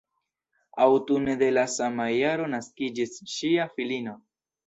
Aŭtune de le sama jaro naskiĝis ŝia filino.